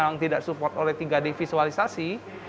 yang tidak support oleh tiga d visualisasi